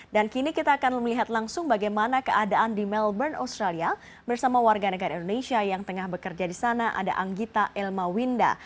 dan kini kita akan melihat langsung bagaimana keadaan di melbourne australia bersama warga negara indonesia yang tengah bekerja di sana ada anggita elmawinda